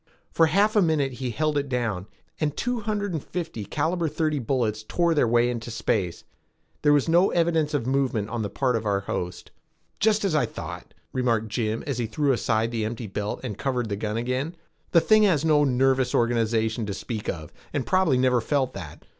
For half a minute he held it down, and two hundred and fifty caliber thirty bullets tore their way into space. There was no evidence of movement on the part of our host. "Just as I thought," remarked Jim as he threw aside the empty belt and covered the gun again. "The thing has no nervous organization to speak of and probably never felt that.